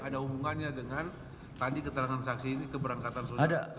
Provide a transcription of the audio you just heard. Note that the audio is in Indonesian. ada hubungannya dengan tadi keterangan saksi ini keberangkatan saudara